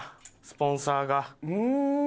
スポンサー？